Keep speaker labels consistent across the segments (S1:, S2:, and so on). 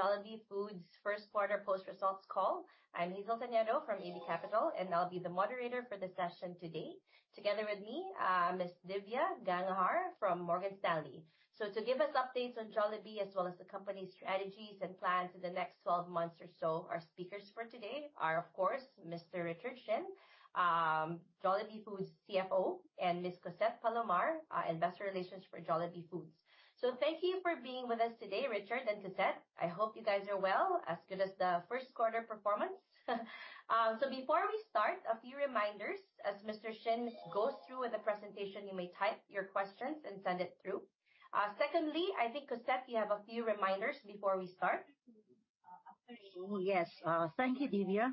S1: ... Jollibee Foods first quarter post results call. I'm Hazel Tanedo from AB Capital, and I'll be the moderator for the session today. Together with me, Miss Divya Gangahar from Morgan Stanley. So to give us updates on Jollibee, as well as the company's strategies and plans for the next 12 months or so, our speakers for today are, of course, Mr. Richard Shin, Jollibee Foods CFO, and Miss Cossette Palomar, Investor Relations for Jollibee Foods. So thank you for being with us today, Richard and Cossette. I hope you guys are well, as good as the first quarter performance. So before we start, a few reminders. As Mr. Shin goes through with the presentation, you may type your questions and send it through. Secondly, I think, Cossette, you have a few reminders before we start.
S2: Yes. Thank you, Divya.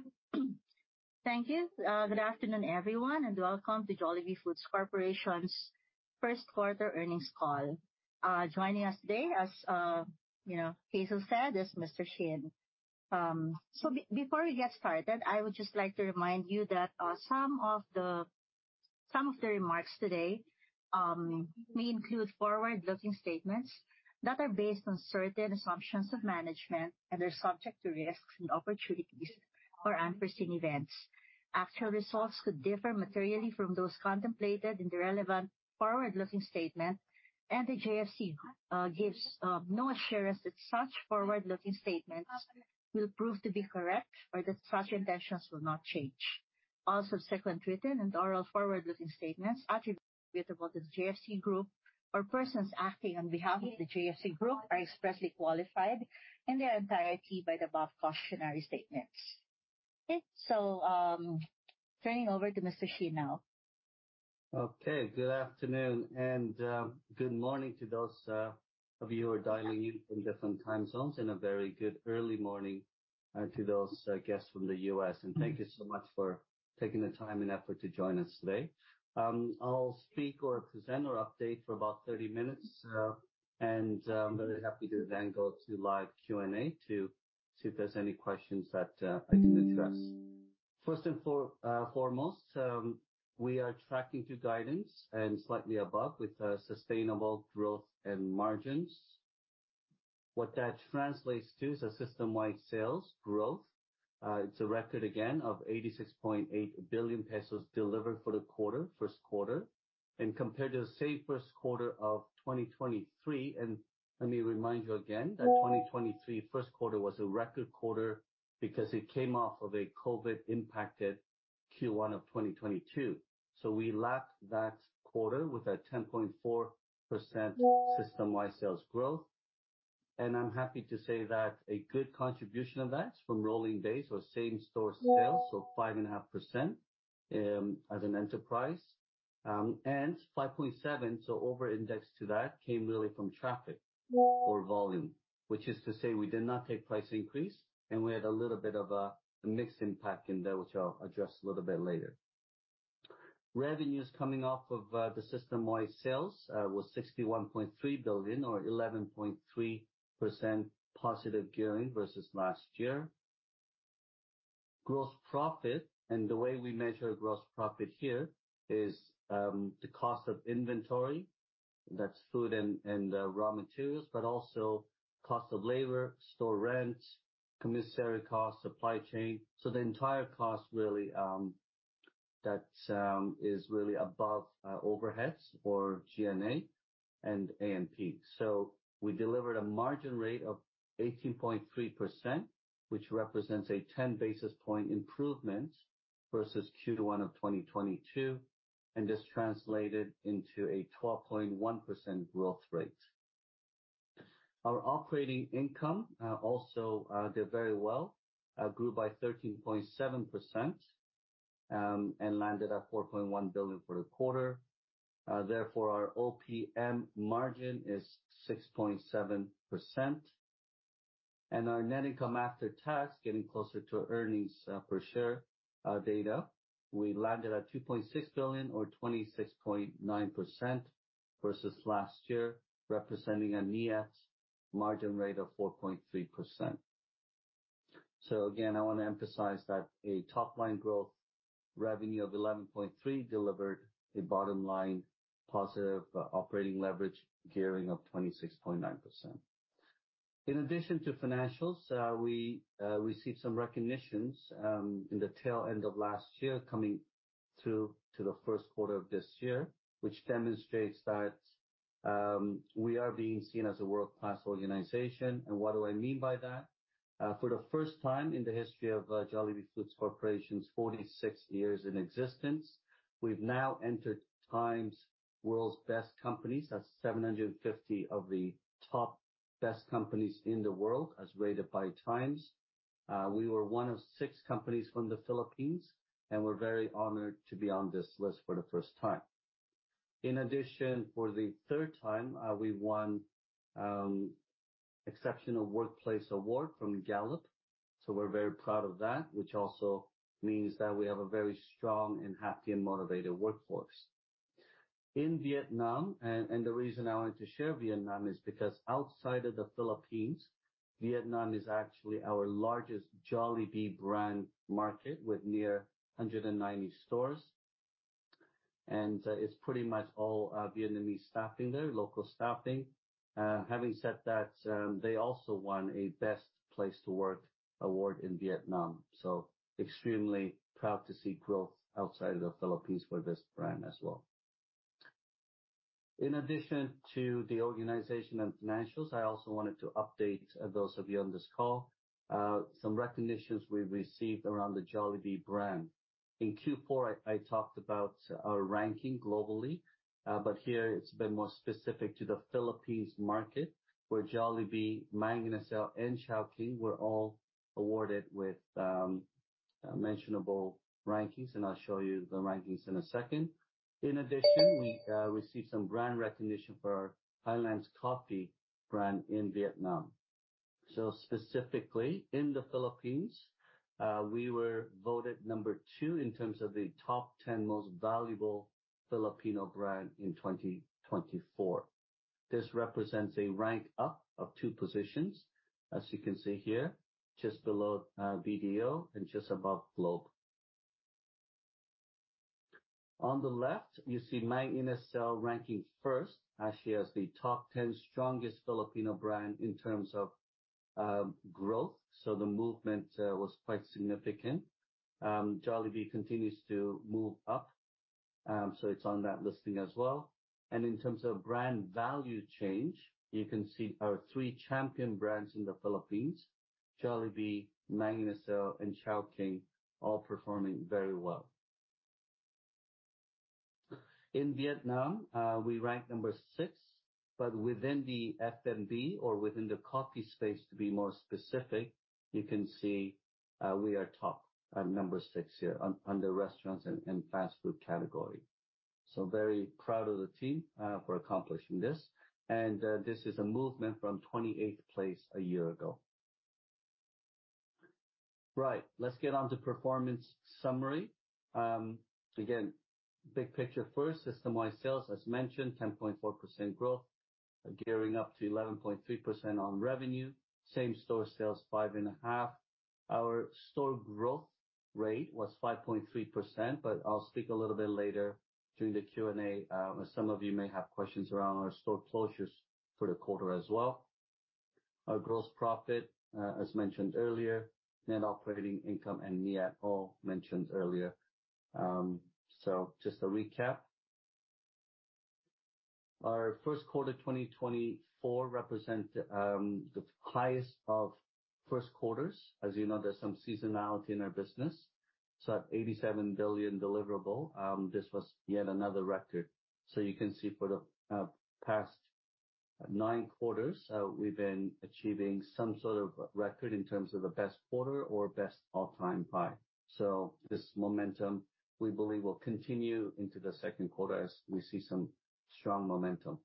S2: Thank you. Good afternoon, everyone, and welcome to Jollibee Foods Corporation's first quarter earnings call. Joining us today, as you know, Hazel said, is Mr. Shin. So before we get started, I would just like to remind you that some of the remarks today may include forward-looking statements that are based on certain assumptions of management, and are subject to risks and opportunities or unforeseen events. Actual results could differ materially from those contemplated in the relevant forward-looking statement, and the JFC gives no assurance that such forward-looking statements will prove to be correct or that such intentions will not change. All subsequent written and oral forward-looking statements attributable to the JFC group or persons acting on behalf of the JFC group are expressly qualified in their entirety by the above cautionary statements. Okay, so, turning over to Mr. Shin now.
S3: Okay, good afternoon, and good morning to those of you who are dialing in from different time zones, and a very good early morning to those guests from the U.S. Thank you so much for taking the time and effort to join us today. I'll speak or present or update for about 30 minutes, and I'm very happy to then go to live Q&A to see if there's any questions that I can address. First and foremost, we are tracking to guidance and slightly above with sustainable growth and margins. What that translates to is a system-wide sales growth. It's a record again of 86.8 billion pesos delivered for the quarter, first quarter. And compared to the same first quarter of 2023, and let me remind you again, that 2023 first quarter was a record quarter because it came off of a COVID-impacted Q1 of 2022. So we lapped that quarter with a 10.4% system-wide sales growth. And I'm happy to say that a good contribution of that from rolling days or same-store sales, so 5.5%, as an enterprise. And 5.7, so over index to that, came really from traffic or volume, which is to say we did not take price increase, and we had a little bit of a, a mixed impact in there, which I'll address a little bit later. Revenues coming off of, the system-wide sales, was 61.3 billion or 11.3% positive gearing versus last year. Gross profit, and the way we measure gross profit here is, the cost of inventory, that's food and raw materials, but also cost of labor, store rent, commissary costs, supply chain. So the entire cost really, that is really above, overheads or G&A and A&P. So we delivered a margin rate of 18.3%, which represents a 10 basis point improvement versus Q1 of 2022, and this translated into a 12.1% growth rate. Our operating income also did very well, grew by 13.7%, and landed at 4.1 billion for the quarter. Therefore, our OPM margin is 6.7%, and our net income after tax, getting closer to earnings per share data, we landed at 2.6 billion or 26.9% versus last year, representing a NIAT margin rate of 4.3%. So again, I want to emphasize that a top-line growth revenue of 11.3% delivered a bottom line positive operating leverage gearing of 26.9%. In addition to financials, we received some recognitions in the tail end of last year, coming through to the first quarter of this year, which demonstrates that we are being seen as a world-class organization. And what do I mean by that? For the first time in the history of Jollibee Foods Corporation's 46 years in existence, we've now entered TIME's World's Best Companies. That's 750 of the top best companies in the world, as rated by TIME. We were one of six companies from the Philippines, and we're very honored to be on this list for the first time. In addition, for the third time, we won Exceptional Workplace Award from Gallup, so we're very proud of that, which also means that we have a very strong and happy and motivated workforce. In Vietnam, the reason I wanted to share Vietnam is because outside of the Philippines, Vietnam is actually our largest Jollibee brand market, with nearly 190 stores, and it's pretty much all Vietnamese staffing there, local staffing. Having said that, they also won a Best Place to Work award in Vietnam. So extremely proud to see growth outside of the Philippines for this brand as well. In addition to the organization and financials, I also wanted to update those of you on this call some recognitions we've received around the Jollibee brand. In Q4, I talked about our ranking globally, but here it's a bit more specific to the Philippines market, where Jollibee, Mang Inasal, and Chowking were all awarded with mentionable rankings, and I'll show you the rankings in a second. In addition, we received some brand recognition for our Highlands Coffee brand in Vietnam. So specifically in the Philippines, we were voted number two in terms of the top 10 most valuable Filipino brand in 2024. This represents a rank up of two positions, as you can see here, just below BDO and just above Globe. On the left, you see Mang Inasal ranking first, actually, as the top 10 strongest Filipino brand in terms of growth, so the movement was quite significant. Jollibee continues to move up, so it's on that listing as well. And in terms of brand value change, you can see our three champion brands in the Philippines, Jollibee, Mang Inasal, and Chowking, all performing very well. In Vietnam, we ranked number 6, but within the F&B, or within the coffee space to be more specific, you can see we are top at number 6 here on the restaurants and fast food category. So very proud of the team for accomplishing this. And this is a movement from 28th place a year ago. Right, let's get on to performance summary. Again, big picture first. System-wide sales, as mentioned, 10.4% growth, gearing up to 11.3% on revenue. Same-store sales, 5.5. Our store growth rate was 5.3%, but I'll speak a little bit later during the Q&A, as some of you may have questions around our store closures for the quarter as well. Our gross profit, as mentioned earlier, net operating income and NIAT all mentioned earlier. So just a recap. Our first quarter, 2024, represent the highest of first quarters. As you know, there's some seasonality in our business, so at 87 billion deliverable, this was yet another record. So you can see for the past nine quarters, we've been achieving some sort of record in terms of the best quarter or best all-time high. So this momentum, we believe, will continue into the second quarter as we see some strong momentum.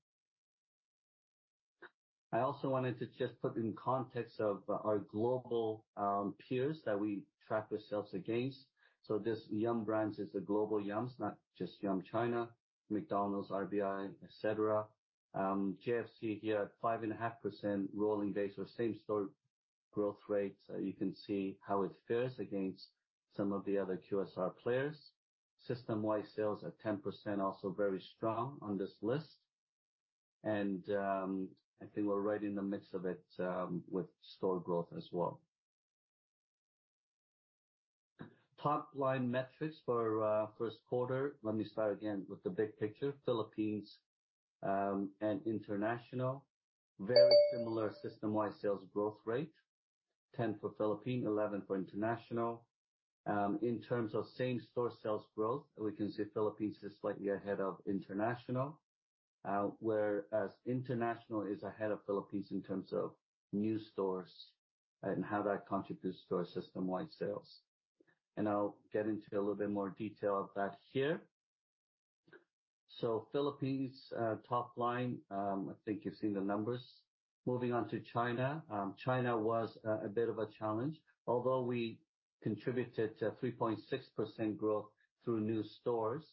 S3: I also wanted to just put in context of our global peers that we track ourselves against. So this Yum! Brands is a global Yum!, not just Yum China, McDonald's, RBI, et cetera. JFC here at 5.5% Rolling Base or same-store growth rate. So you can see how it fares against some of the other QSR players. System-wide sales at 10%, also very strong on this list, and I think we're right in the midst of it with store growth as well. Top-line metrics for first quarter. Let me start again with the big picture. Philippines and international. Very similar system-wide sales growth rate, 10% for Philippine, 11% for international. In terms of same-store sales growth, we can see Philippines is slightly ahead of international, whereas international is ahead of Philippines in terms of new stores and how that contributes to our system-wide sales. And I'll get into a little bit more detail of that here. So Philippines, top line, I think you've seen the numbers. Moving on to China. China was a bit of a challenge. Although we contributed to 3.6% growth through new stores,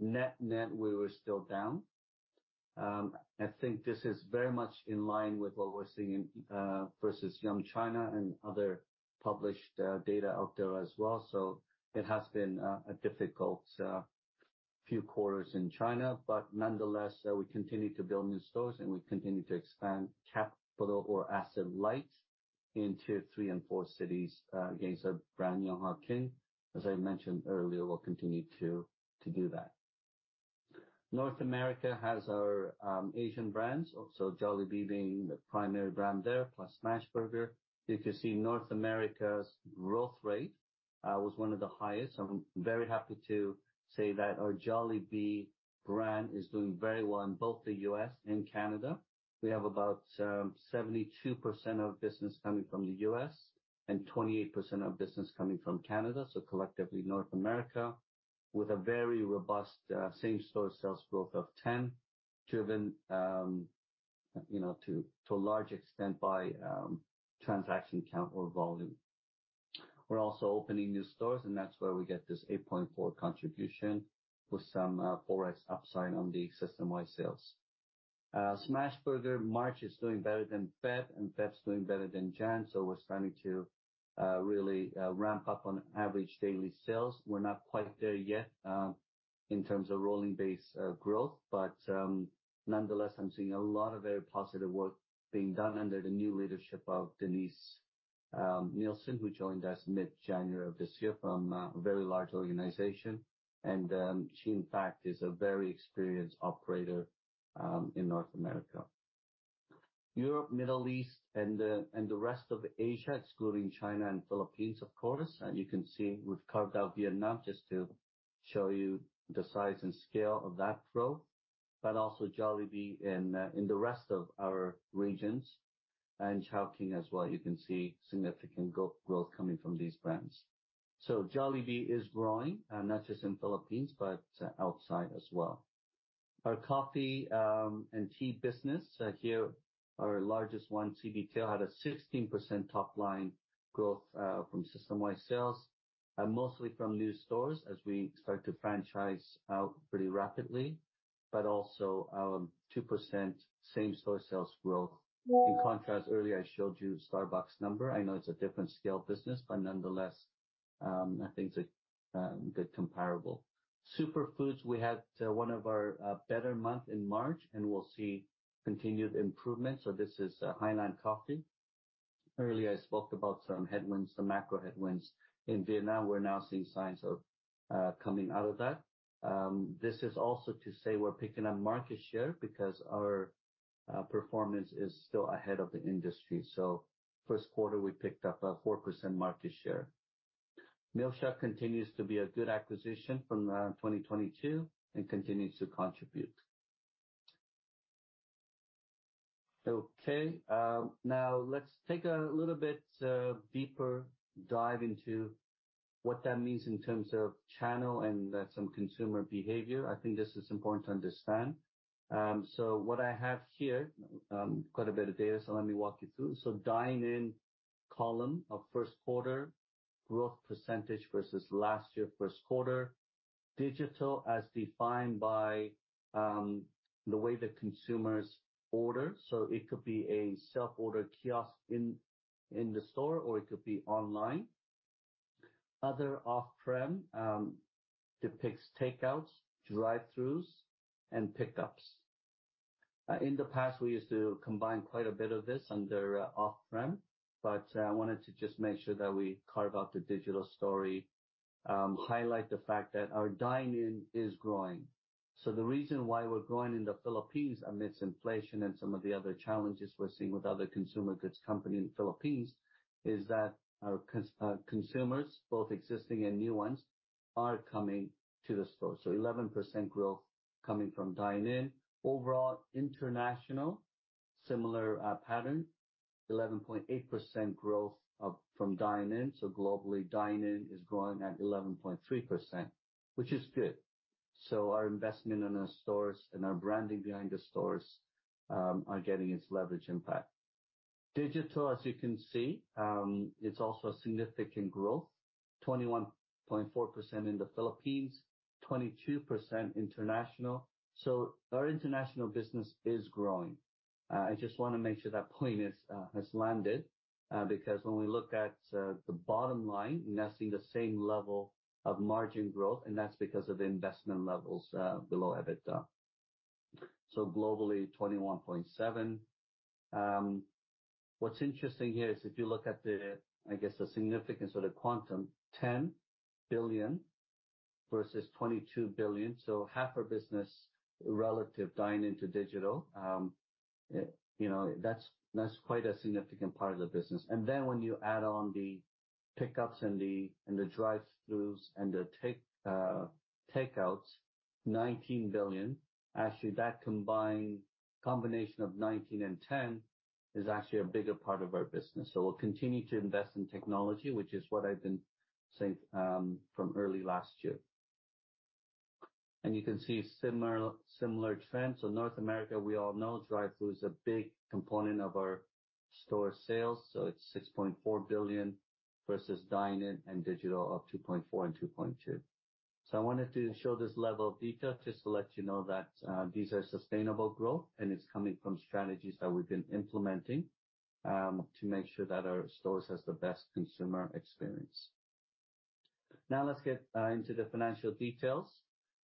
S3: net-net, we were still down. I think this is very much in line with what we're seeing, versus Yum China and other published data out there as well. So it has been a difficult few quarters in China. But nonetheless, we continue to build new stores, and we continue to expand capital- or asset-light into Tier 3 and 4 cities against our brand, Yonghe King. As I mentioned earlier, we'll continue to do that. North America has our Asian brands, also Jollibee being the primary brand there, plus Smashburger. If you see North America's growth rate was one of the highest. I'm very happy to say that our Jollibee brand is doing very well in both the U.S. and Canada. We have about 72% of business coming from the U.S. and 28% of business coming from Canada. So collectively, North America, with a very robust same-store sales growth of 10%, driven, you know, to a large extent by transaction count or volume. We're also opening new stores, and that's where we get this 8.4 contribution, with some Forex upside on the system-wide sales. Smashburger, March is doing better than Feb, and Feb's doing better than Jan, so we're starting to really ramp up on average daily sales. We're not quite there yet in terms of rolling base growth, but nonetheless, I'm seeing a lot of very positive work being done under the new leadership of Denise Nelsen, who joined us mid-January of this year from a very large organization. And she, in fact, is a very experienced operator in North America. Europe, Middle East, and the rest of Asia, excluding China and Philippines, of course. You can see we've carved out Vietnam just to show you the size and scale of that growth, but also Jollibee in the rest of our regions, and Chowking as well. You can see significant growth coming from these brands. So Jollibee is growing, and not just in Philippines, but outside as well. Our coffee and tea business here, our largest one, The Coffee Bean & Tea Leaf, had a 16% top line growth from system-wide sales, and mostly from new stores as we start to franchise out pretty rapidly, but also 2% same-store sales growth. In contrast, earlier, I showed you Starbucks number. I know it's a different scale business, but nonetheless, I think it's a good comparable. SuperFoods Group, we had one of our better month in March, and we'll see continued improvement. So this is a Highlands Coffee. Earlier, I spoke about some headwinds, some macro headwinds. In Vietnam, we're now seeing signs of coming out of that. This is also to say we're picking up market share because our performance is still ahead of the industry. So first quarter, we picked up a 4% market share. Milksha continues to be a good acquisition from 2022 and continues to contribute. Okay, now let's take a little bit deeper dive into what that means in terms of channel and some consumer behavior. I think this is important to understand. So what I have here quite a bit of data, so let me walk you through. So dine in column of first quarter, growth percentage versus last year first quarter. Digital, as defined by the way the consumers order, so it could be a self-order kiosk in the store, or it could be online. Other off-prem depicts takeouts, drive-throughs, and pickups. In the past, we used to combine quite a bit of this under off-prem, but I wanted to just make sure that we carve out the digital story, highlight the fact that our dine in is growing. So the reason why we're growing in the Philippines amidst inflation and some of the other challenges we're seeing with other consumer goods company in Philippines, is that our consumers, both existing and new ones, are coming to the store. So 11% growth coming from dine in. Overall, international, similar pattern, 11.8% growth from dine in. So globally, dine in is growing at 11.3%, which is good. So our investment in the stores and our branding behind the stores are getting its leverage impact. Digital, as you can see, it's also a significant growth, 21.4% in the Philippines, 22% international. So our international business is growing. I just wanna make sure that point is has landed because when we look at the bottom line, we're not seeing the same level of margin growth, and that's because of the investment levels below EBITDA. So globally, 21.7%. What's interesting here is if you look at the, I guess, the significance of the quantum, 10 billion versus 22 billion, so half our business relative dine in to digital, it, you know, that's, that's quite a significant part of the business. Then when you add on the pickups and the drive-throughs and the take, takeouts, 19 billion, actually, that combined combination of 19 and 10 is actually a bigger part of our business. So we'll continue to invest in technology, which is what I've been saying, from early last year. And you can see similar, similar trend. So North America, we all know, drive-through is a big component of our store sales, so it's 6.4 billion versus dine in and digital of 2.4 and 2.2. So I wanted to show this level of detail just to let you know that, these are sustainable growth, and it's coming from strategies that we've been implementing, to make sure that our stores has the best consumer experience. Now let's get, into the financial details.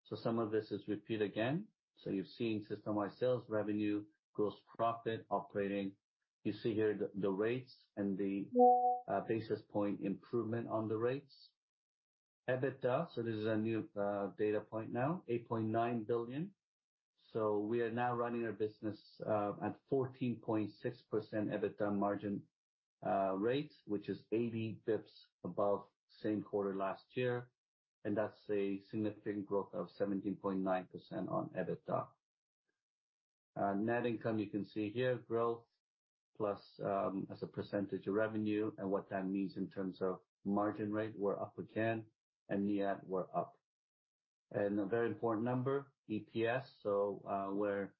S3: So some of this is repeat again. So you've seen system-wide sales, revenue, gross profit, operating. You see here the rates and the basis point improvement on the rates. EBITDA, so this is a new data point now, 8.9 billion. So we are now running our business at 14.6% EBITDA margin rates, which is 80 basis points above same quarter last year, and that's a significant growth of 17.9% on EBITDA. Net income, you can see here, growth plus, as a percentage of revenue and what that means in terms of margin rate, we're up again, and year-to-date we're up. And a very important number, EPS. So, we're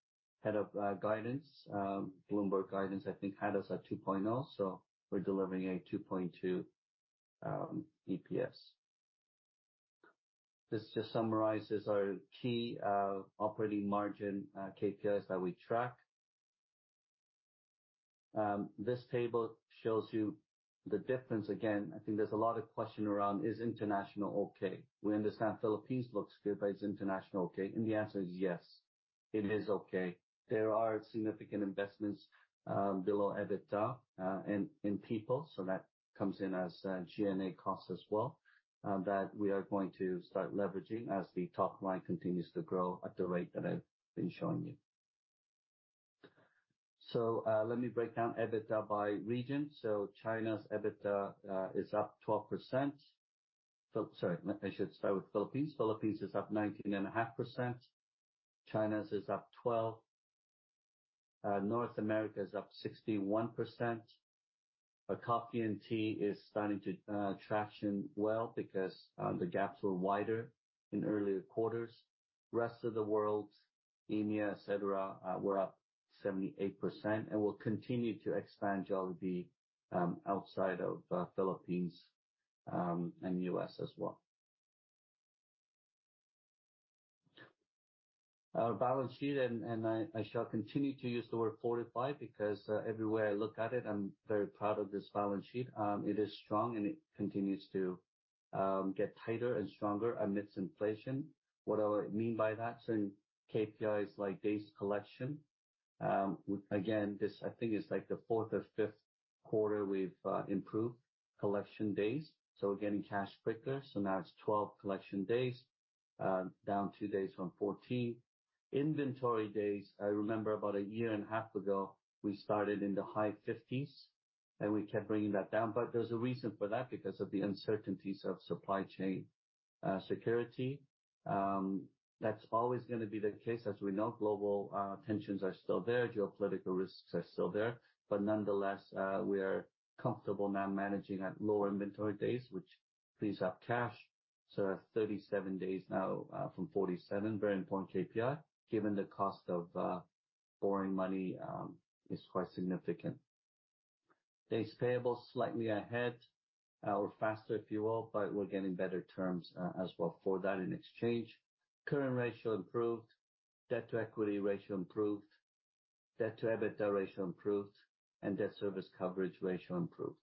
S3: ahead of guidance. Bloomberg guidance, I think, had us at 2.0, so we're delivering a 2.2 EPS. This just summarizes our key operating margin KPIs that we track. This table shows you the difference. Again, I think there's a lot of question around: Is international okay? We understand Philippines looks good, but is international okay? And the answer is yes, it is okay. There are significant investments below EBITDA in people, so that comes in as G&A costs as well that we are going to start leveraging as the top line continues to grow at the rate that I've been showing you. So, let me break down EBITDA by region. So China's EBITDA is up 12%. Sorry, I should start with Philippines. Philippines is up 19.5%. China's is up 12%, North America is up 61%. Coffee and tea is starting to traction well because the gaps were wider in earlier quarters. Rest of the world, India, et cetera, we're up 78%, and we'll continue to expand Jollibee outside of Philippines and US as well. Our balance sheet, and I shall continue to use the word fortified, because everywhere I look at it, I'm very proud of this balance sheet. It is strong, and it continues to get tighter and stronger amidst inflation. What do I mean by that? In KPIs like days collection, again, this I think is like the fourth or fifth quarter we've improved collection days, so we're getting cash quicker. So now it's 12 collection days, down two days from 14. Inventory days, I remember about a year and a half ago, we started in the high 50s, and we kept bringing that down. But there's a reason for that, because of the uncertainties of supply chain security. That's always gonna be the case. As we know, global tensions are still there, geopolitical risks are still there, but nonetheless, we are comfortable now managing at lower inventory days, which frees up cash. So 37 days now, from 47. Very important KPI, given the cost of borrowing money, is quite significant. Days payable, slightly ahead or faster, if you will, but we're getting better terms as well for that in exchange. Current ratio improved, debt to equity ratio improved, debt to EBITDA ratio improved, and debt service coverage ratio improved.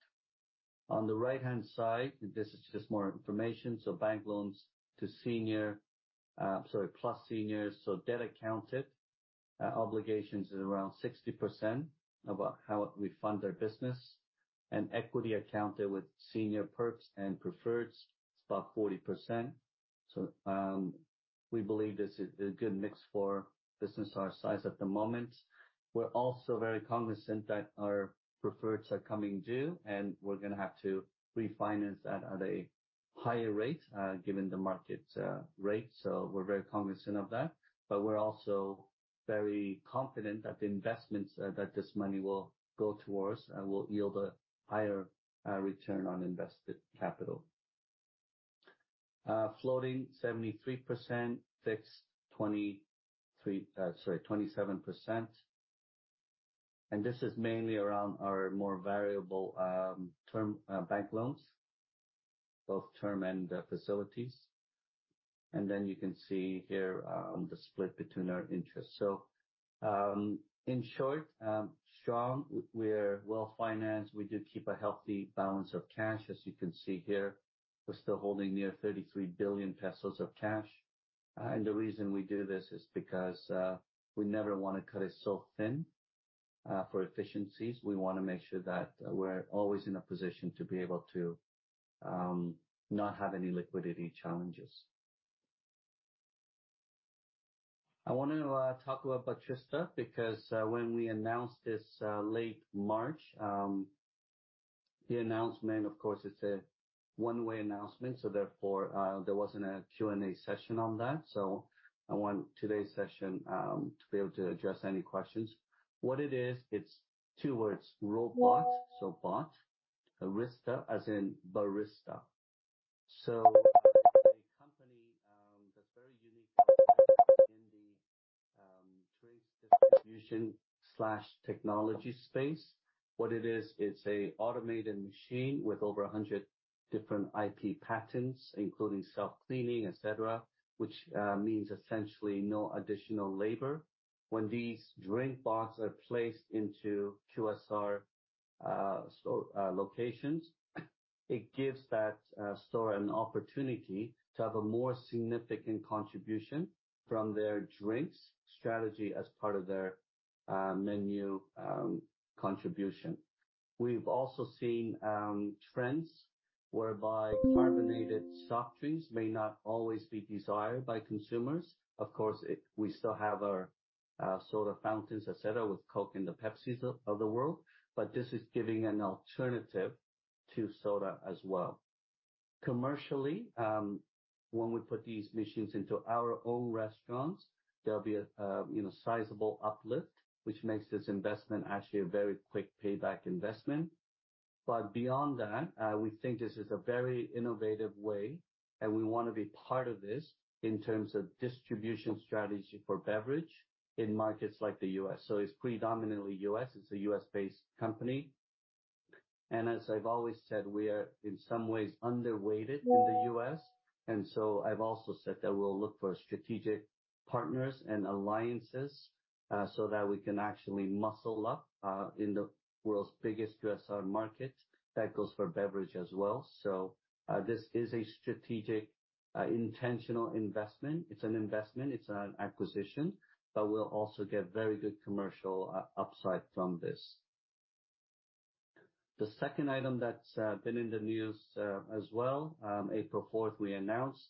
S3: On the right-hand side, this is just more information. So bank loans plus seniors, so debt and other obligations is around 60% of how we fund our business. And equity plus senior Perps and Preferreds, it's about 40%. So, we believe this is a good mix for a business our size at the moment. We're also very cognizant that our Preferreds are coming due, and we're gonna have to refinance that at a higher rate, given the market rate. So we're very cognizant of that, but we're also very confident that the investments that this money will go towards, will yield a higher, return on invested capital. Floating 73%, fixed 27%. And this is mainly around our more variable, term, bank loans, both term and, facilities. And then you can see here, on the split between our interests. So, in short, strong, we're well-financed. We do keep a healthy balance of cash, as you can see here. We're still holding near 33 billion pesos of cash. The reason we do this is because, we never want to cut it so thin, for efficiencies. We wanna make sure that we're always in a position to be able to, not have any liquidity challenges. I want to, talk about Botrista, because, when we announced this, late March, the announcement, of course, it's a one-way announcement, so therefore, there wasn't a Q&A session on that. So I want today's session, to be able to address any questions. What it is, it's two words, robot, so bot, barista as in barista. So a company, that's very unique in the, trades, distribution, slash technology space. What it is, it's an automated machine with over 100 different IP patterns, including self-cleaning, et cetera, which means essentially no additional labor. When these drink bots are placed into QSR store locations, it gives that store an opportunity to have a more significant contribution from their drinks strategy as part of their menu contribution. We've also seen trends whereby carbonated soft drinks may not always be desired by consumers. Of course, we still have our soda fountains, et cetera, with Coke and the Pepsis of the world, but this is giving an alternative to soda as well. Commercially, when we put these machines into our own restaurants, there'll be a you know, sizable uplift, which makes this investment actually a very quick payback investment. But beyond that, we think this is a very innovative way, and we want to be part of this in terms of distribution strategy for beverage in markets like the U.S. So it's predominantly U.S., it's a U.S.-based company.... And as I've always said, we are in some ways underweighted in the U.S., and so I've also said that we'll look for strategic partners and alliances, so that we can actually muscle up, in the world's biggest QSR market. That goes for beverage as well. So, this is a strategic, intentional investment. It's an investment, it's not an acquisition, but we'll also get very good commercial, upside from this. The second item that's, been in the news, as well, on April fourth, we announced,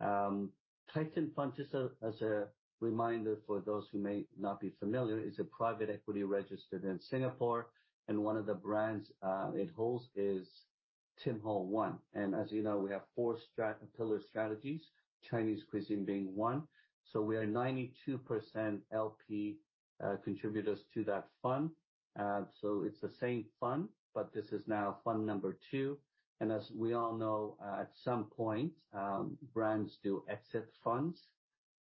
S3: Titan Fund. Just as a reminder for those who may not be familiar, is a private equity registered in Singapore, and one of the brands it holds is Tim Hortons. And as you know, we have 4 strategic pillars, Chinese cuisine being 1. So we are 92% LP contributors to that fund. So it's the same fund, but this is now fund number 2. And as we all know, at some point, brands do exit funds,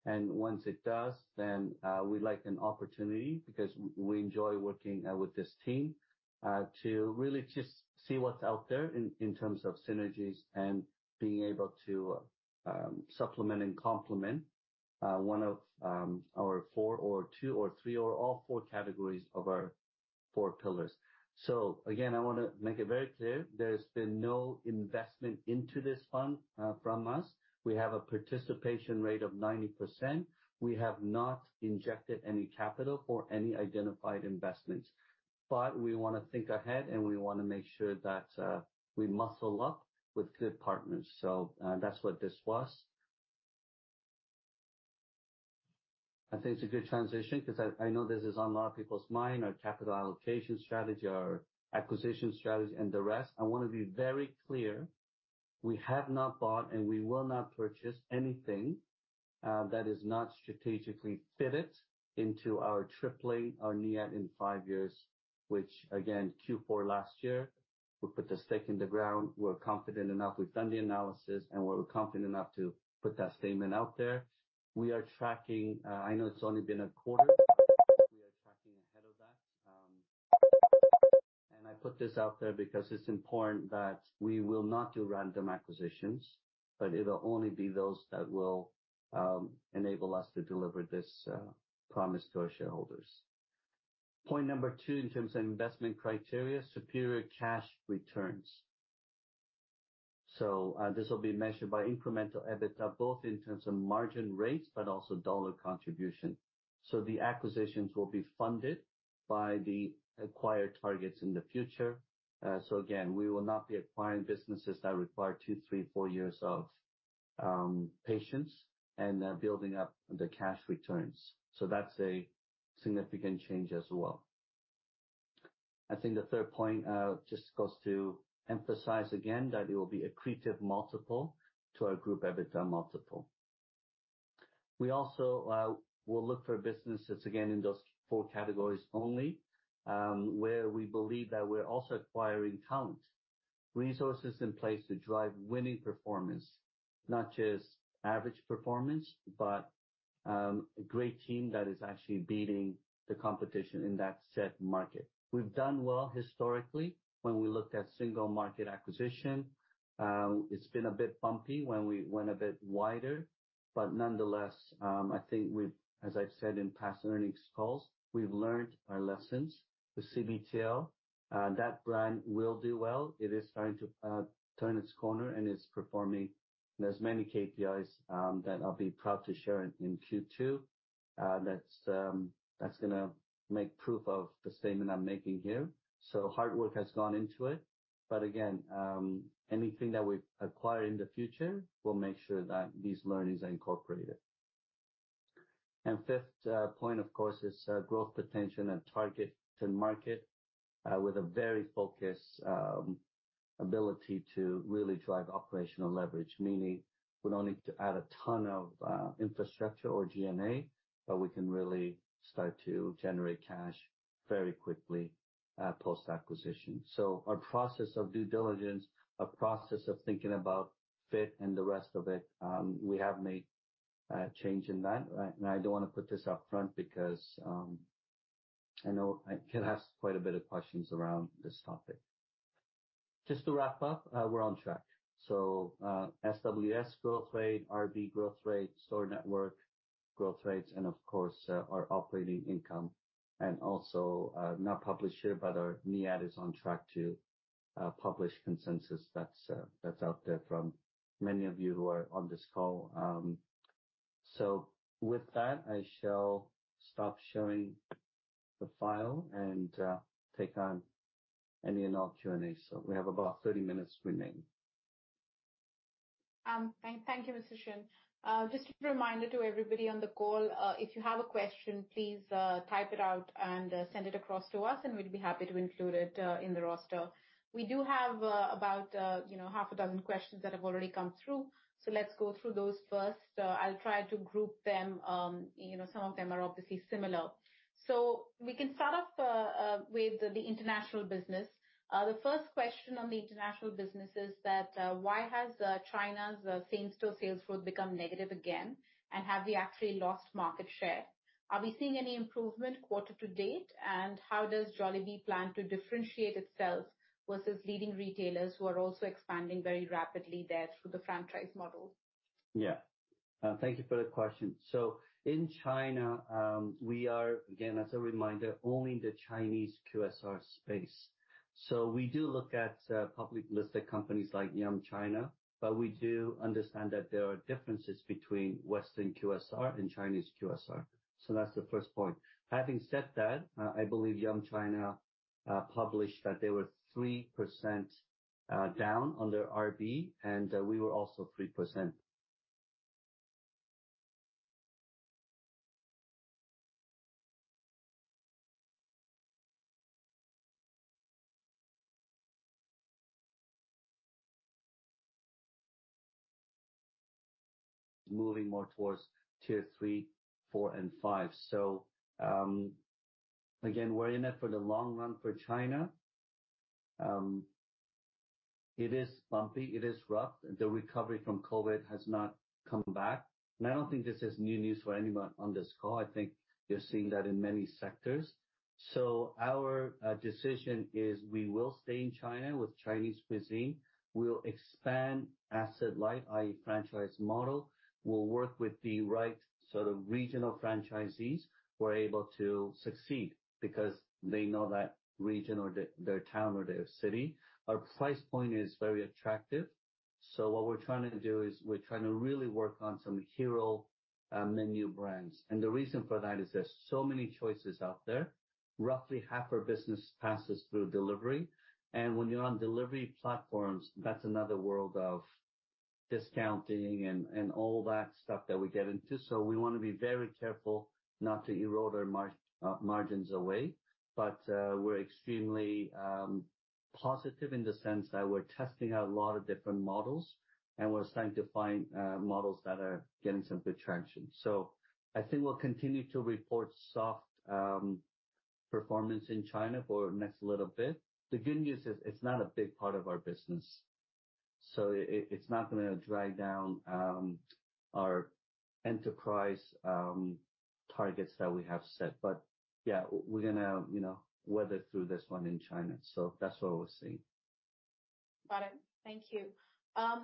S3: and once it does, then we'd like an opportunity because we enjoy working with this team to really just see what's out there in terms of synergies and being able to supplement and complement one of our 4 or 2 or 3 or all 4 categories of our 4 pillars. So again, I wanna make it very clear, there's been no investment into this fund from us. We have a participation rate of 90%. We have not injected any capital or any identified investments, but we wanna think ahead, and we wanna make sure that we muscle up with good partners. So that's what this was. I think it's a good transition 'cause I know this is on a lot of people's mind, our capital allocation strategy, our acquisition strategy, and the rest. I wanna be very clear, we have not bought, and we will not purchase anything that is not strategically fitted into our tripling our NIAT in five years, which again, Q4 last year, we put the stake in the ground. We're confident enough, we've done the analysis, and we're confident enough to put that statement out there. We are tracking, I know it's only been a quarter. We are tracking ahead of that, and I put this out there because it's important that we will not do random acquisitions, but it'll only be those that will enable us to deliver this, promise to our shareholders. Point number two in terms of investment criteria, superior cash returns. So, this will be measured by incremental EBITDA, both in terms of margin rates, but also dollar contribution. So the acquisitions will be funded by the acquired targets in the future. So again, we will not be acquiring businesses that require two, three, four years of patience and building up the cash returns. So that's a significant change as well. I think the third point just goes to emphasize again that it will be accretive multiple to our group EBITDA multiple. We also will look for businesses, again, in those four categories only, where we believe that we're also acquiring talent, resources in place to drive winning performance, not just average performance, but a great team that is actually beating the competition in that said market. We've done well historically when we looked at single market acquisition. It's been a bit bumpy when we went a bit wider, but nonetheless, I think we've, as I've said in past earnings calls, we've learned our lessons with CBTL, that brand will do well. It is starting to turn its corner, and it's performing. There's many KPIs that I'll be proud to share in Q2. That's gonna make proof of the statement I'm making here. So hard work has gone into it, but again, anything that we acquire in the future, we'll make sure that these learnings are incorporated. And fifth point, of course, is growth potential and target to market with a very focused ability to really drive operational leverage. Meaning, we don't need to add a ton of infrastructure or G&A, but we can really start to generate cash very quickly post-acquisition. So our process of due diligence, our process of thinking about fit and the rest of it, we have made a change in that. And I do wanna put this up front because I know I could have quite a bit of questions around this topic. Just to wrap up, we're on track. So, SWS growth rate, RB growth rate, store network growth rates, and of course, our operating income and also, not published here, but our NIAT is on track to publish consensus. That's, that's out there from many of you who are on this call. So with that, I shall stop sharing the file and take on any and all Q&A. So we have about 30 minutes remaining.
S4: Thank you, Mr. Shin. Just a reminder to everybody on the call, if you have a question, please, type it out and send it across to us, and we'll be happy to include it in the roster. We do have about, you know, half a dozen questions that have already come through. So let's go through those first. I'll try to group them. You know, some of them are obviously similar. So we can start off with the international business. The first question on the international business is that why has China's same-store sales growth become negative again? And have we actually lost market share? Are we seeing any improvement quarter to date? How does Jollibee plan to differentiate itself versus leading retailers who are also expanding very rapidly there through the franchise model?...
S3: Yeah. Thank you for the question. So in China, we are, again, as a reminder, only the Chinese QSR space. So we do look at public listed companies like Yum China, but we do understand that there are differences between Western QSR and Chinese QSR. So that's the first point. Having said that, I believe Yum China published that they were 3% down on their RB, and we were also 3%. Moving more towards tier three, four, and five. So, again, we're in it for the long run for China. It is bumpy. It is rough. The recovery from COVID has not come back, and I don't think this is new news for anyone on this call. I think you're seeing that in many sectors. So our decision is we will stay in China with Chinese cuisine. We'll expand asset-light, i.e., franchise model. We'll work with the right sort of regional franchisees who are able to succeed because they know that region or their town or their city. Our price point is very attractive. So what we're trying to do is we're trying to really work on some hero menu brands. And the reason for that is there's so many choices out there. Roughly half our business passes through delivery, and when you're on delivery platforms, that's another world of discounting and all that stuff that we get into. So we wanna be very careful not to erode our margins away. But we're extremely positive in the sense that we're testing out a lot of different models, and we're starting to find models that are getting some good traction. So I think we'll continue to report soft performance in China for the next little bit. The good news is it's not a big part of our business, so it's not gonna drag down our enterprise targets that we have set. But yeah, we're gonna, you know, weather through this one in China. So that's what we're seeing. Got it. Thank you.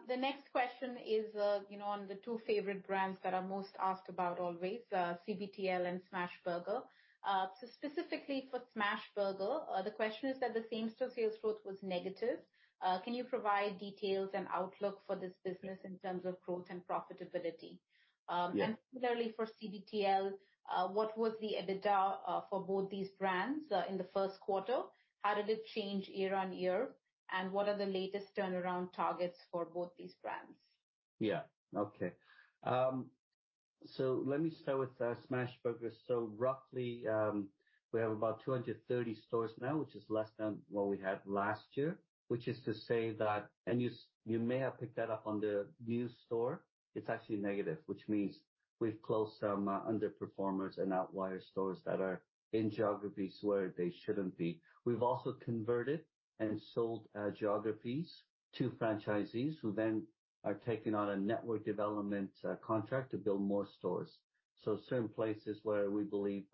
S3: The next question is, you know, on the two favorite brands that are most asked about always, CBTL and Smashburger. So specifically for Smashburger, the question is that the same-store sales growth was negative. Can you provide details and outlook for this business in terms of growth and profitability? Yeah.
S4: Similarly for CBTL, what was the EBITDA for both these brands in the first quarter? How did it change year-on-year, and what are the latest turnaround targets for both these brands?
S3: Yeah. Okay. So let me start with Smashburger. So roughly, we have about 230 stores now, which is less than what we had last year, which is to say that... And you, you may have picked that up on the new store. It's actually negative, which means we've closed some underperformers and outlier stores that are in geographies where they shouldn't be. We've also converted and sold geographies to franchisees, who then are taking on a network development contract to build more stores. So certain places where we believe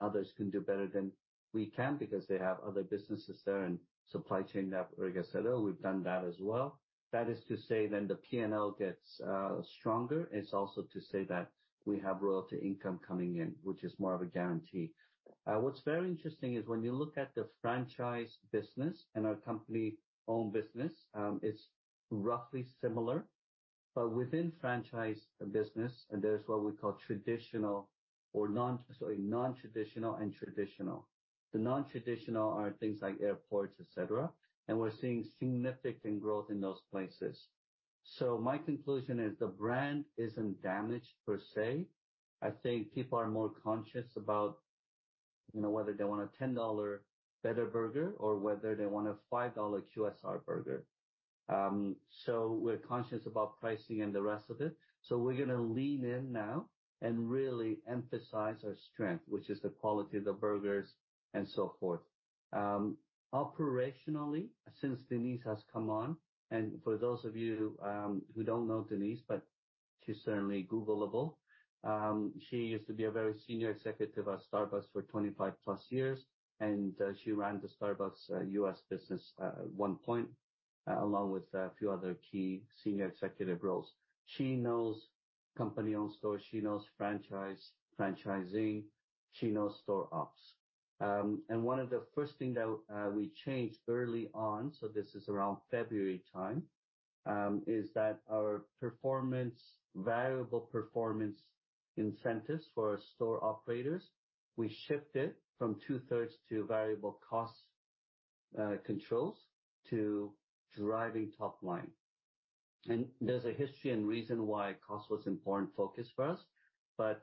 S3: others can do better than we can because they have other businesses there and supply chain that, like I said earlier, we've done that as well. That is to say, then the P&L gets stronger. It's also to say that we have royalty income coming in, which is more of a guarantee. What's very interesting is when you look at the franchise business and our company-owned business, it's roughly similar. But within franchise business, and there's what we call traditional or nontraditional and traditional. The nontraditional are things like airports, et cetera, and we're seeing significant growth in those places. So my conclusion is the brand isn't damaged per se. I think people are more conscious about, you know, whether they want a $10 better burger or whether they want a $5 QSR burger. So we're conscious about pricing and the rest of it. So we're gonna lean in now and really emphasize our strength, which is the quality of the burgers and so forth. Operationally, since Denise has come on, and for those of you who don't know Denise, but she's certainly Googleable. She used to be a very senior executive at Starbucks for 25+ years, and she ran the Starbucks U.S. business at one point, along with a few other key senior executive roles. She knows company-owned stores, she knows franchise, franchising, she knows store ops. And one of the first things that we changed early on, so this is around February time, is that our variable performance incentives for our store operators, we shifted from two-thirds to variable cost controls to driving top line. There's a history and reason why cost was an important focus for us, but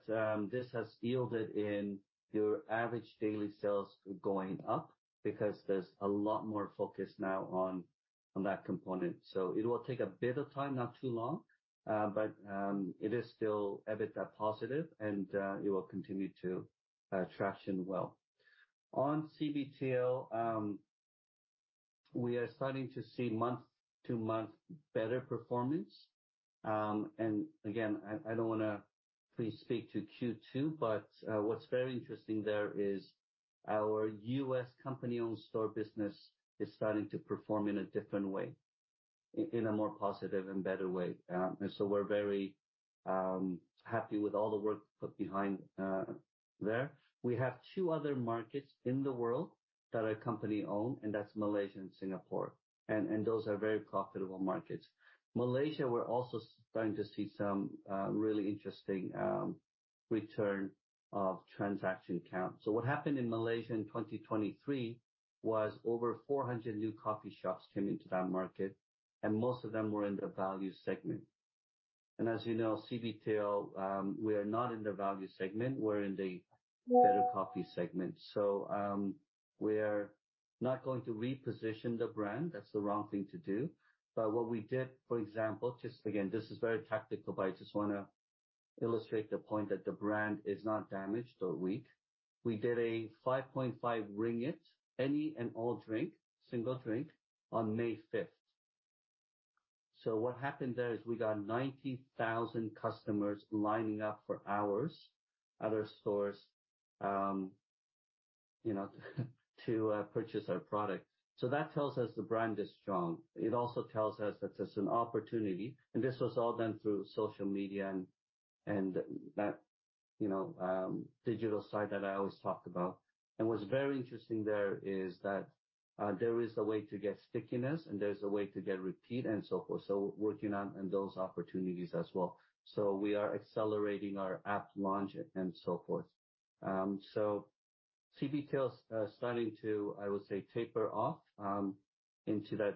S3: this has yielded in your average daily sales going up because there's a lot more focus now on that component. So it will take a bit of time, not too long, but it is still a bit positive, and it will continue to traction well. On CBTL, we are starting to see month-to-month better performance. And again, I don't wanna pre-speak to Q2, but what's very interesting there is our U.S. company-owned store business is starting to perform in a different way, in a more positive and better way. And so we're very happy with all the work put behind there. We have two other markets in the world that are company-owned, and that's Malaysia and Singapore, and, and those are very profitable markets. Malaysia, we're also starting to see some really interesting return of transaction count. So what happened in Malaysia in 2023 was over 400 new coffee shops came into that market, and most of them were in the value segment. And as you know, CBTL, we are not in the value segment, we're in the better coffee segment. So, we're not going to reposition the brand, that's the wrong thing to do. But what we did, for example, just again, this is very tactical, but I just wanna illustrate the point that the brand is not damaged or weak. We did a 5.5 ringgit any and all drink, single drink on May 5. So what happened there is we got 90,000 customers lining up for hours at our stores, you know, to purchase our product. So that tells us the brand is strong. It also tells us that there's an opportunity, and this was all done through social media and that, you know, digital side that I always talk about. And what's very interesting there is that there is a way to get stickiness, and there's a way to get repeat and so forth. So we're working on those opportunities as well. So we are accelerating our app launch and so forth. So CBTL is starting to, I would say, taper off into that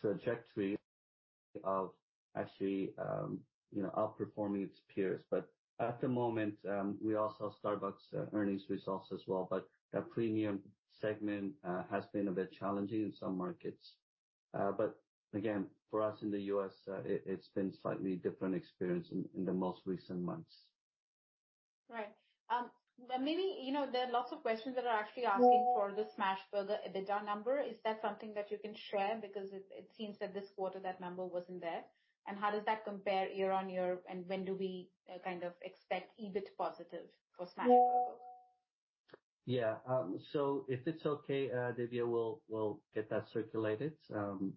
S3: trajectory of actually, you know, outperforming its peers. But at the moment, we all saw Starbucks' earnings results as well, but that premium segment has been a bit challenging in some markets. But again, for us in the U.S., it's been slightly different experience in the most recent months.
S4: Right. But maybe, you know, there are lots of questions that are actually asking for the Smashburger EBITDA number. Is that something that you can share? Because it, it seems that this quarter, that number wasn't there. And how does that compare year-on-year, and when do we kind of expect EBIT positive for Smashburger?
S3: Yeah. So if it's okay, Divya, we'll get that circulated.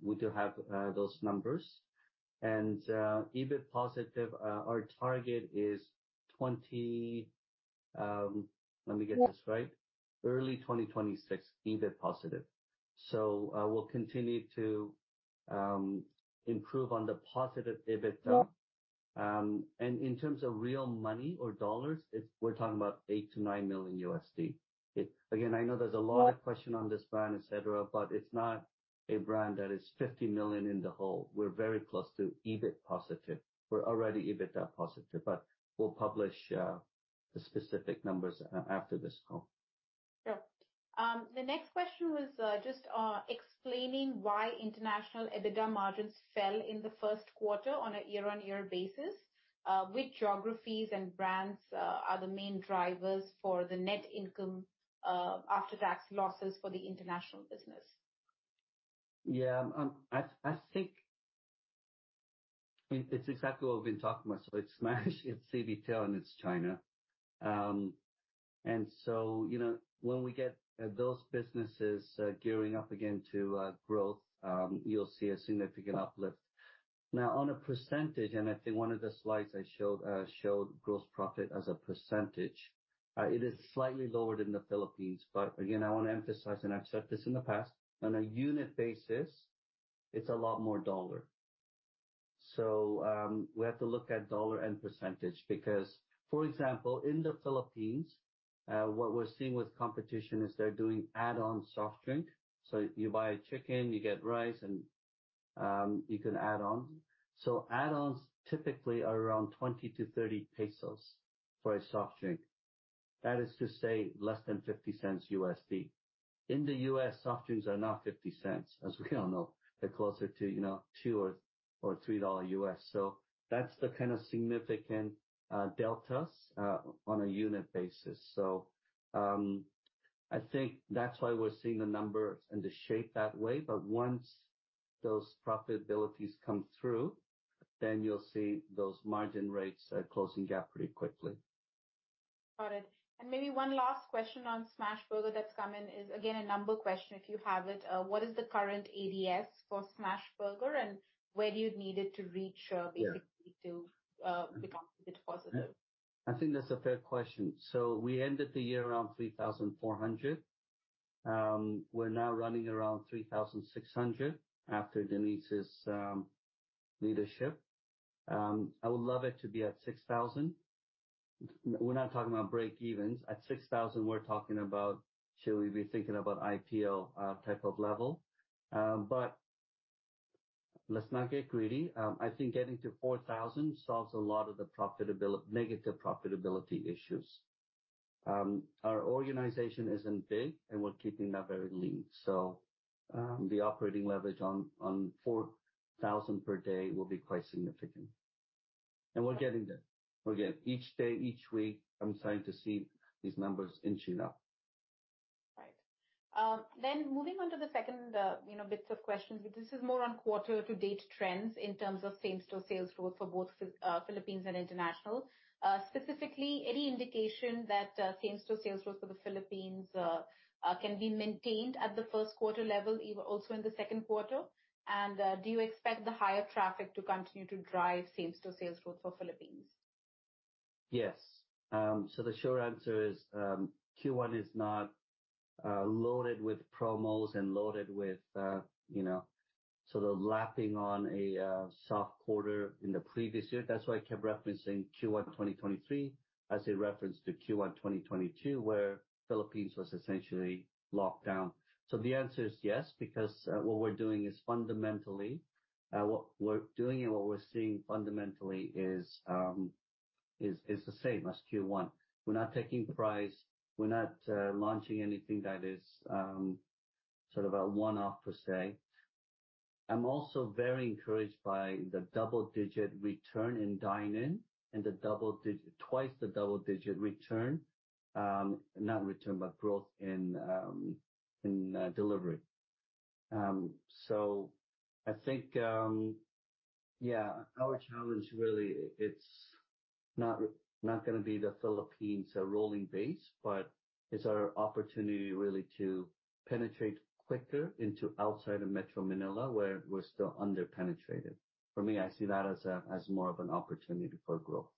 S3: We do have those numbers. And EBIT positive, our target is early 2026, EBIT positive. So we'll continue to improve on the positive EBITDA. And in terms of real money or dollars, it's, we're talking about $8 million-$9 million. Again, I know there's a lot of question on this brand, et cetera, but it's not a brand that is $50 million in the hole. We're very close to EBIT positive. We're already EBITDA positive, but we'll publish the specific numbers after this call.
S4: Sure. The next question was just explaining why international EBITDA margins fell in the first quarter on a year-on-year basis. Which geographies and brands are the main drivers for the net income after-tax losses for the international business?
S3: Yeah, I think... I mean, it's exactly what we've been talking about. So it's Smash, it's CBTL, and it's China. And so, you know, when we get those businesses gearing up again to growth, you'll see a significant uplift. Now, on a percentage, and I think one of the slides I showed showed gross profit as a percentage, it is slightly lower than the Philippines. But again, I want to emphasize, and I've said this in the past, on a unit basis, it's a lot more dollar. So, we have to look at dollar and percentage, because, for example, in the Philippines, what we're seeing with competition is they're doing add-on soft drink. So you buy a chicken, you get rice, and you can add on. So add-ons typically are around 20-30 pesos for a soft drink. That is to say, less than $0.50. In the U.S., soft drinks are not $0.50, as we all know. They're closer to, you know, $2 or $3. So that's the kind of significant deltas on a unit basis. So, I think that's why we're seeing the numbers and the shape that way. But once those profitabilities come through, then you'll see those margin rates closing gap pretty quickly.
S4: Got it. And maybe one last question on Smashburger that's come in is, again, a number question, if you have it. What is the current ADS for Smashburger, and where do you need it to reach?
S3: Yeah...
S4: basically, to become a bit positive?
S3: I think that's a fair question. So we ended the year around $3,400. We're now running around $3,600 after Denise's leadership. I would love it to be at $6,000. We're not talking about breakevens. At $6,000, we're talking about, should we be thinking about IPO, type of level? But let's not get greedy. I think getting to $4,000 solves a lot of the profitability... negative profitability issues. Our organization isn't big, and we're keeping that very lean. So, the operating leverage on, on $4,000 per day will be quite significant.
S4: Right.
S3: We're getting there. Again, each day, each week, I'm starting to see these numbers inching up. ...
S4: then moving on to the second, you know, bits of questions. This is more on quarter-to-date trends in terms of same-store sales growth for both Phil, Philippines and international. Specifically, any indication that same-store sales growth for the Philippines can be maintained at the first quarter level, even also in the second quarter? And, do you expect the higher traffic to continue to drive same-store sales growth for Philippines?
S3: Yes. So the short answer is, Q1 is not loaded with promos and loaded with, you know, sort of lapping on a soft quarter in the previous year. That's why I kept referencing Q1 2023 as a reference to Q1 2022, where Philippines was essentially locked down. So the answer is yes, because, what we're doing is fundamentally, what we're doing and what we're seeing fundamentally is, is the same as Q1. We're not taking price. We're not launching anything that is, sort of a one-off per se. I'm also very encouraged by the double-digit return in dine-in and twice the double-digit return, not return, but growth in delivery. So I think, our challenge really it's not, not gonna be the Philippines, Rolling Base, but it's our opportunity really to penetrate quicker into outside of Metro Manila, where we're still under-penetrated. For me, I see that as more of an opportunity for growth.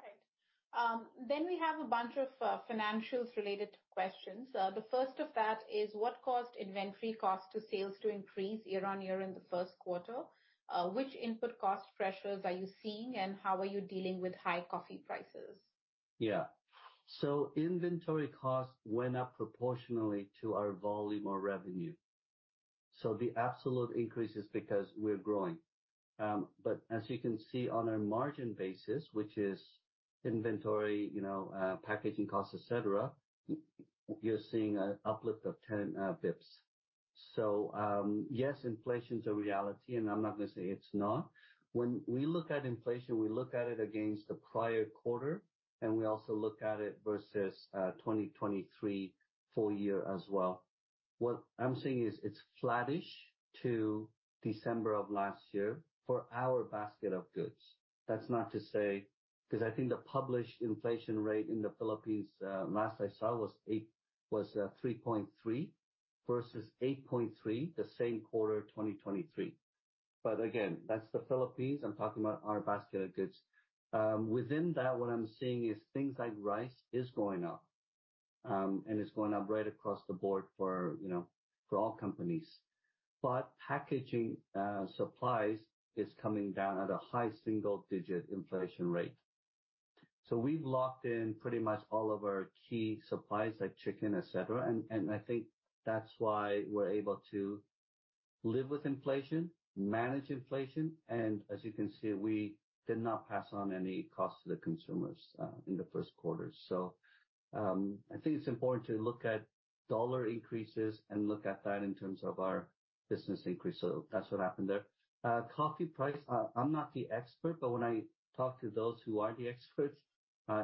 S4: Right. We have a bunch of financials related questions. The first of that is, what caused inventory cost to sales to increase year-on-year in the first quarter? Which input cost pressures are you seeing, and how are you dealing with high coffee prices?
S3: Yeah. So inventory costs went up proportionally to our volume or revenue. So the absolute increase is because we're growing. But as you can see on a margin basis, which is inventory, you know, packaging costs, et cetera, you're seeing a uplift of 10 basis points. So, yes, inflation's a reality, and I'm not gonna say it's not. When we look at inflation, we look at it against the prior quarter, and we also look at it versus 2023 full year as well. What I'm saying is, it's flattish to December of last year for our basket of goods. That's not to say, because I think the published inflation rate in the Philippines, last I saw was 3.3% versus 8.3%, the same quarter, 2023. But again, that's the Philippines. I'm talking about our basket of goods. Within that, what I'm seeing is things like rice is going up, and it's going up right across the board for, you know, for all companies. But packaging supplies is coming down at a high single digit inflation rate. So we've locked in pretty much all of our key supplies, like chicken, et cetera, and I think that's why we're able to live with inflation, manage inflation, and as you can see, we did not pass on any cost to the consumers in the first quarter. So I think it's important to look at dollar increases and look at that in terms of our business increase. So that's what happened there. Coffee price, I'm not the expert, but when I talk to those who are the experts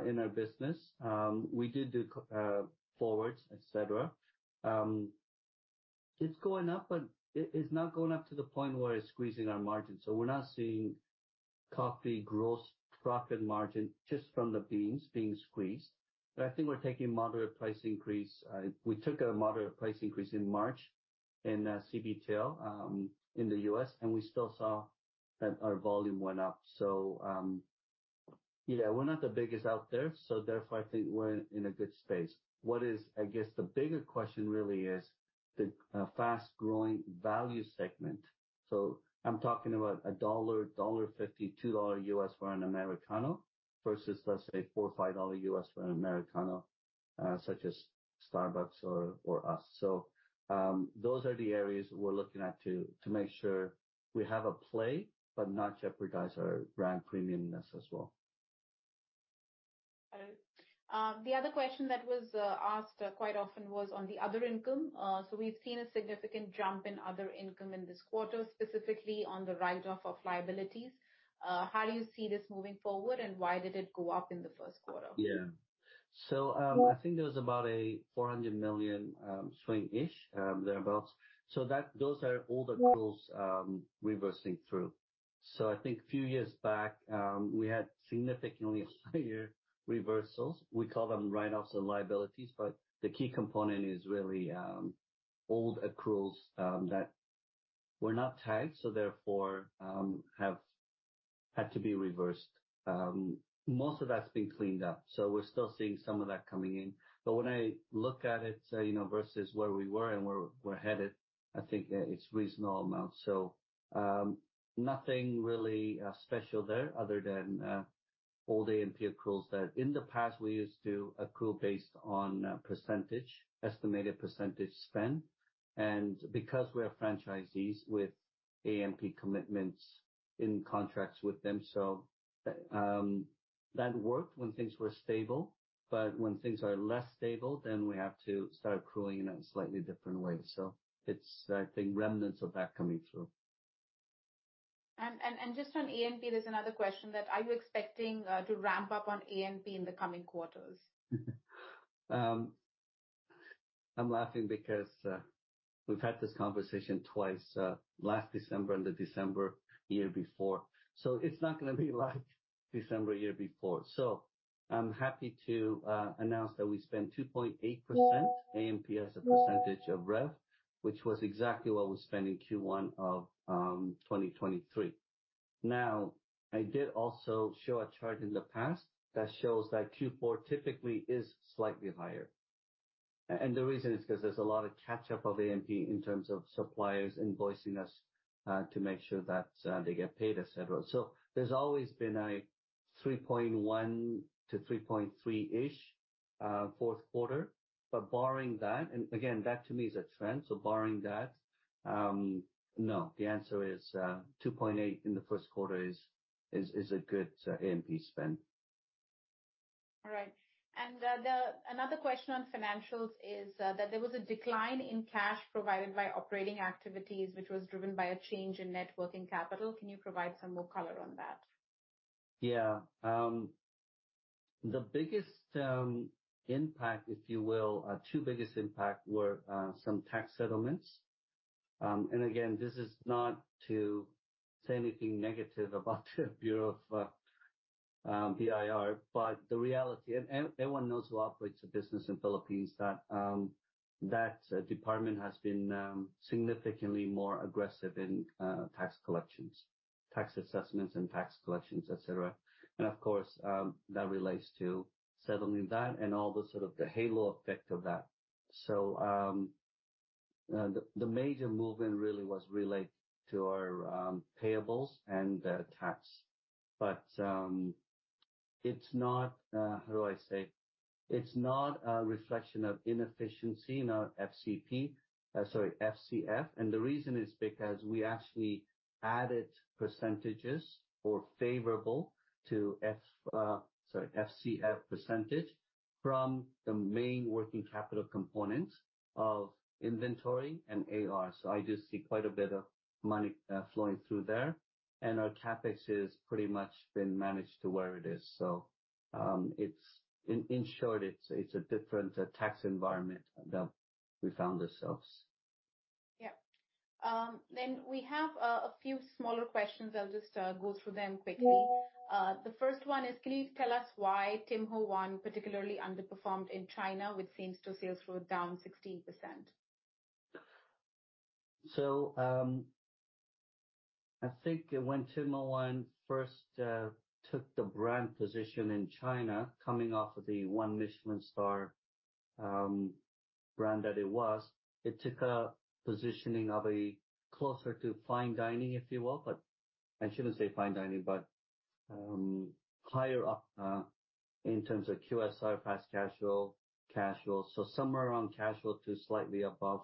S3: in our business, we do forwards, et cetera. It's going up, but it, it's not going up to the point where it's squeezing our margins. So we're not seeing coffee gross profit margin just from the beans being squeezed. But I think we're taking moderate price increase. We took a moderate price increase in March in, CBTL, in the U.S., and we still saw that our volume went up. So, yeah, we're not the biggest out there, so therefore, I think we're in a good space. What is... I guess the bigger question really is the, fast-growing value segment. So I'm talking about $1, $1.50, $2 U.S. for an Americano versus, let's say, $4-$5 U.S. for an Americano, such as Starbucks or, or us. Those are the areas we're looking at to make sure we have a play, but not jeopardize our brand premiumness as well.
S4: Got it. The other question that was asked quite often was on the other income. So we've seen a significant jump in other income in this quarter, specifically on the write-off of liabilities. How do you see this moving forward, and why did it go up in the first quarter?
S3: Yeah. So, I think there was about a 400 million swing-ish, thereabouts. So that, those are all the accruals reversing through. So I think a few years back, we had significantly higher reversals. We call them write-offs and liabilities, but the key component is really old accruals that were not tagged, so therefore have had to be reversed. Most of that's been cleaned up, so we're still seeing some of that coming in. But when I look at it, you know, versus where we were and where we're headed, I think it's reasonable amount. So, nothing really special there other than old A&P accruals, that in the past, we used to accrue based on a percentage, estimated percentage spend. And because we are franchisees with A&P commitments in contracts with them, so, that worked when things were stable. But when things are less stable, then we have to start accruing in a slightly different way. So it's, I think, remnants of that coming through. ...
S4: And just on A&P, there's another question that are you expecting to ramp up on A&P in the coming quarters?
S3: I'm laughing because we've had this conversation twice last December and the December year before. So it's not gonna be like December year before. So I'm happy to announce that we spent 2.8% A&P as a percentage of rev, which was exactly what we spent in Q1 of 2023. Now, I did also show a chart in the past that shows that Q4 typically is slightly higher. And the reason is 'cause there's a lot of catch-up of A&P in terms of suppliers invoicing us to make sure that they get paid, et cetera. So there's always been a 3.1%-3.3%-ish fourth quarter. Barring that, and again, that to me is a trend, so barring that, no, the answer is, 2.8 in the first quarter is a good AMP spend.
S4: All right. And, another question on financials is that there was a decline in cash provided by operating activities, which was driven by a change in net working capital. Can you provide some more color on that?
S3: Yeah. The biggest impact, if you will, two biggest impact were some tax settlements. And again, this is not to say anything negative about the Bureau of BIR, but the reality and everyone knows who operates a business in Philippines, that that department has been significantly more aggressive in tax collections, tax assessments and tax collections, et cetera. And of course, that relates to settling that and all the sort of the halo effect of that. So, the major movement really was related to our payables and tax. But, it's not, how do I say? It's not a reflection of inefficiency in our FCP, sorry, FCF. The reason is because we actually added percentages or favorable to F, sorry, FCF percentage from the main working capital component of inventory and AR. So I do see quite a bit of money flowing through there, and our CapEx has pretty much been managed to where it is. So, it's... In short, it's a different tax environment that we found ourselves.
S4: Yeah. Then we have a few smaller questions. I'll just go through them quickly. The first one is, please tell us why Tim Ho Wan particularly underperformed in China, with same-store sales growth down 16%.
S3: So, I think when Tim Ho Wan first took the brand position in China, coming off of the one Michelin star brand that it was, it took a positioning of a closer to fine dining, if you will, but I shouldn't say fine dining, but higher up in terms of QSR, fast casual, casual, so somewhere around casual to slightly above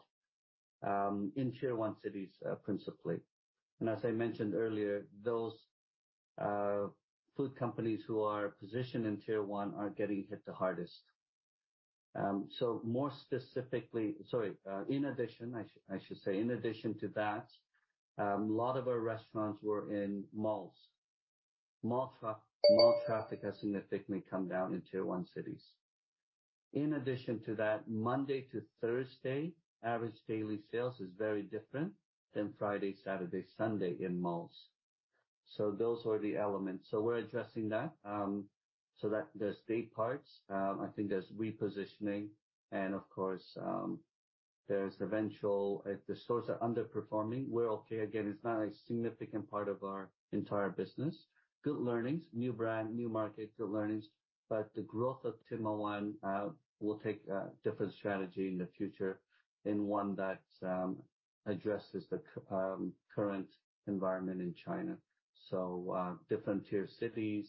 S3: in Tier One cities, principally. And as I mentioned earlier, those food companies who are positioned in Tier One are getting hit the hardest. So more specifically... Sorry, in addition, I should, I should say, in addition to that, a lot of our restaurants were in malls. Mall traffic has significantly come down in Tier One cities. In addition to that, Monday to Thursday, average daily sales is very different than Friday, Saturday, Sunday in malls. So those are the elements. So we're addressing that, so that there's three parts. I think there's repositioning and of course, there's eventual, if the stores are underperforming, we're okay. Again, it's not a significant part of our entire business. Good learnings, new brand, new market, good learnings, but the growth of Tim Ho Wan will take a different strategy in the future, and one that addresses the current environment in China. So, different tier cities,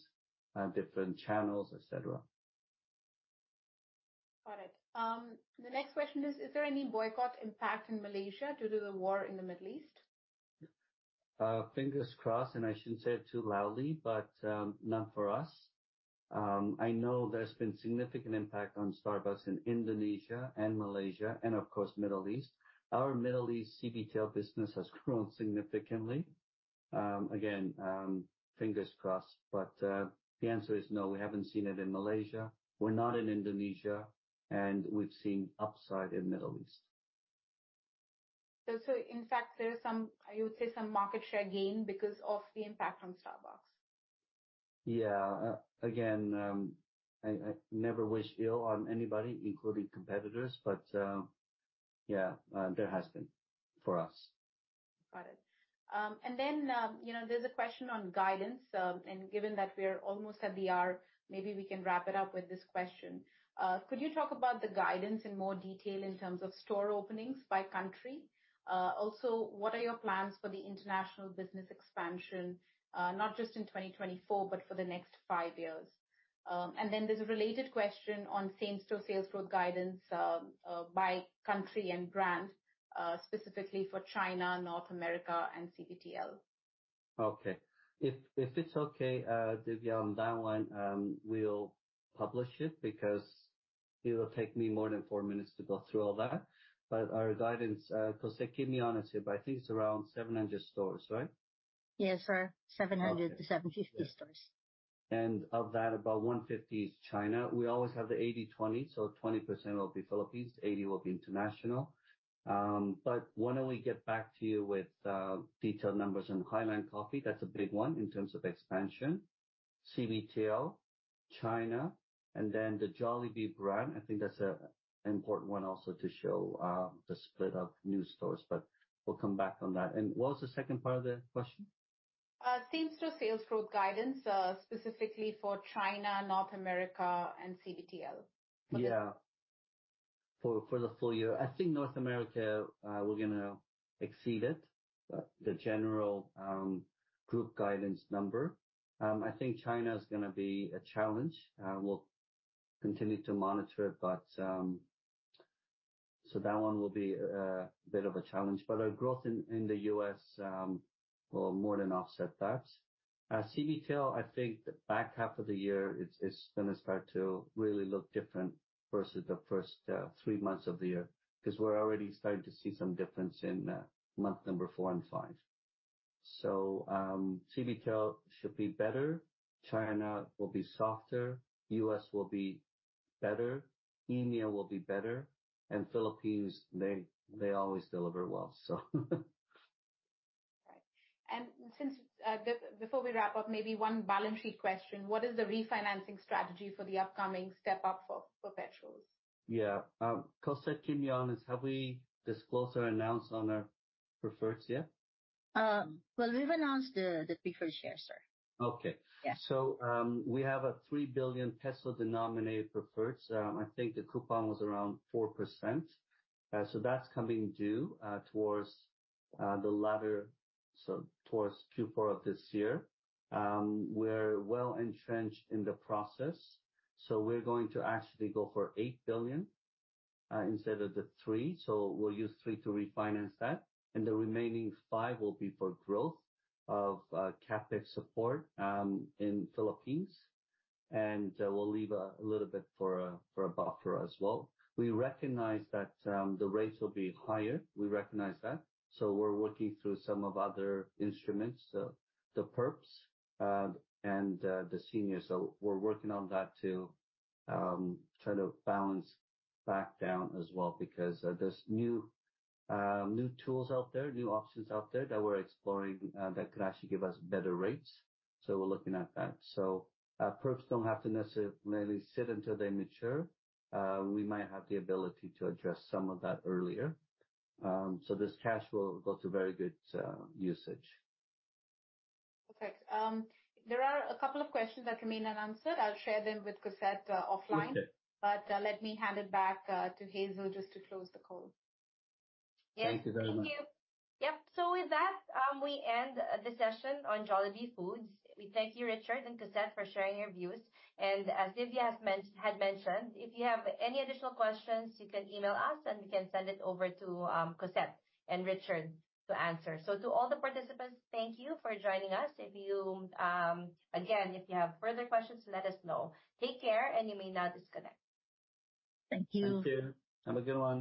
S3: different channels, et cetera.
S4: Got it. The next question is, is there any boycott impact in Malaysia due to the war in the Middle East?
S3: Fingers crossed, and I shouldn't say it too loudly, but not for us. I know there's been significant impact on Starbucks in Indonesia and Malaysia and, of course, Middle East. Our Middle East CBTL business has grown significantly. Again, fingers crossed, but the answer is no, we haven't seen it in Malaysia. We're not in Indonesia, and we've seen upside in Middle East.
S4: In fact, there is some, I would say, some market share gain because of the impact on Starbucks.
S3: Yeah. Again, I never wish ill on anybody, including competitors, but, yeah, there has been, for us.
S4: Got it. And then, you know, there's a question on guidance, and given that we're almost at the hour, maybe we can wrap it up with this question. Could you talk about the guidance in more detail in terms of store openings by country? Also, what are your plans for the international business expansion, not just in 2024, but for the next five years? And then there's a related question on same-store sales growth guidance, by country and brand, specifically for China, North America, and CBTL.
S3: Okay. If it's okay, Divya, on that one, we'll publish it because... It will take me more than four minutes to go through all that. But our guidance, Cossette, keep me honest here, but I think it's around 700 stores, right?
S2: Yes, sir. 700-750 stores.
S3: And of that, about 150 is China. We always have the 80-20, so 20% will be Philippines, 80% will be international. But why don't we get back to you with detailed numbers on Highlands Coffee? That's a big one in terms of expansion. CBTL, China, and then the Jollibee brand. I think that's a important one also to show the split of new stores, but we'll come back on that. And what was the second part of the question?
S4: Same-store sales growth guidance, specifically for China, North America, and CBTL?
S3: Yeah. For the full year. I think North America, we're gonna exceed it, the general, group guidance number. I think China is gonna be a challenge. We'll continue to monitor it, but... So that one will be, a bit of a challenge, but our growth in the U.S. will more than offset that. CBTL, I think the back half of the year is gonna start to really look different versus the first three months of the year, 'cause we're already starting to see some difference in month number four and five. So, CBTL should be better, China will be softer, US will be better, EMEA will be better, and Philippines, they always deliver well, so.
S4: Right. And since, before we wrap up, maybe one balance sheet question: What is the refinancing strategy for the upcoming step-up for perpetuals?
S3: Yeah. Cossette, keep me honest, have we disclosed or announced on our preferreds yet?
S2: Well, we've announced the Preferred Shares, sir.
S3: Okay.
S2: Yeah.
S3: So, we have a 3 billion peso-denominated preferreds. I think the coupon was around 4%. So that's coming due towards the latter, so towards Q4 of this year. We're well-entrenched in the process, so we're going to actually go for 8 billion instead of the 3 billion. So we'll use 3 billion to refinance that, and the remaining 5 billion will be for growth of CapEx support in the Philippines. And we'll leave a little bit for a buffer as well. We recognize that the rates will be higher. We recognize that, so we're working through some other instruments, the perps, and the seniors. So we're working on that too, try to balance back down as well, because there's new tools out there, new options out there that we're exploring, that could actually give us better rates. So we're looking at that. So, Perps don't have to necessarily sit until they mature. We might have the ability to address some of that earlier. So this cash will go to very good usage.
S4: Okay. There are a couple of questions that remain unanswered. I'll share them with Cossette, offline.
S3: Okay.
S4: Let me hand it back to Hazel just to close the call.
S3: Thank you very much.
S1: Thank you. Yep. So with that, we end the session on Jollibee Foods. We thank you, Richard and Cossette, for sharing your views. And as Divya has mentioned, had mentioned, if you have any additional questions, you can email us, and we can send it over to Cossette and Richard to answer. So to all the participants, thank you for joining us. If you, again, if you have further questions, let us know. Take care, and you may now disconnect.
S2: Thank you.
S3: Thank you. Have a good one.